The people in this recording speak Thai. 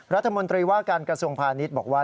รัฐมนตรีว่าการกระทรวงพาณิชย์บอกว่า